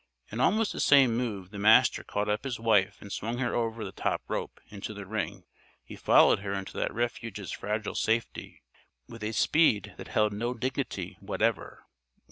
In almost the same move the Master caught up his wife and swung her over the top rope, into the ring. He followed her into that refuge's fragile safety with a speed that held no dignity whatever.